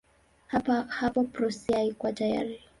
Hapo Prussia haikuwa tayari.